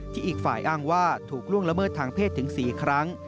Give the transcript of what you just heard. อีกฝ่ายอ้างว่าถูกล่วงละเมิดทางเพศถึง๔ครั้ง